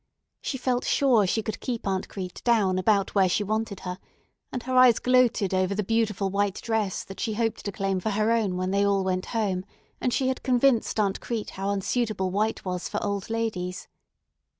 She felt sure she could keep Aunt Crete down about where she wanted her, and her eyes gloated over the beautiful white dress that she hoped to claim for her own when they all went home and she had convinced Aunt Crete how unsuitable white was for old ladies.